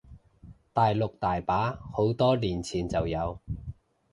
大陸大把，好多年前就有